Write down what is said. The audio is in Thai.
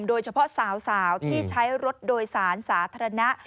โดยเฉพาะสาวที่ใช้รถโดยสารสาธารณะ